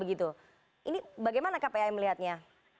ini bagaimana kpi melihatnya